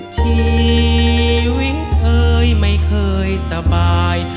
ชีวิตเอ่ยไม่เคยสบาย